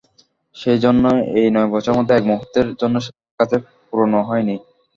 সেইজন্যে এই ন বছরের মধ্যে এক মুহূর্তের জন্যে সে আমার কাছে পুরোনো হয় নি।